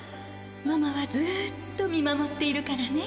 ママはずっと見守っているからね。